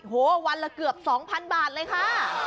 โหวันละเกือบ๒๐๐๐บาทเลยค่ะ